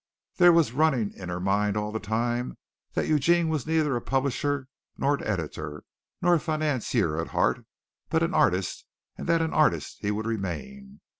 There was running in her mind all the time that Eugene was neither a publisher, nor an editor, nor a financier at heart, but an artist and that an artist he would remain.